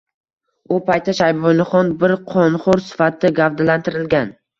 U paytda Shayboniyxon bir qonxo‘r sifatida gavdalantirilgan